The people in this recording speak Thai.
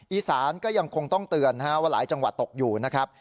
อีสานก็ยังคงต้องเตือนว่าหลายจังหวัดตกอยู่นะครับ